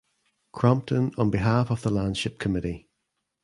Crompton on behalf of the Landship Committee.